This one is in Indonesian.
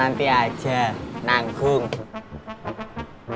tangkai maada tengah subuh nariknya